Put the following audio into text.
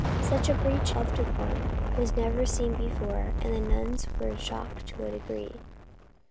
Such a breach of decorum was never seen before, and the nuns were shocked to a degree.